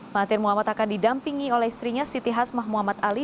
mahathir muhammad akan didampingi oleh istrinya siti hasmah muhammad ali